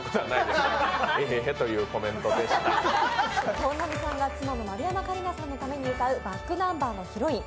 本並さんが妻の丸山桂里奈さんのために歌うｂａｃｋｎｕｍｂｅｒの「ヒロイン」。